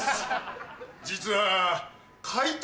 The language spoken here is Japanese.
実は。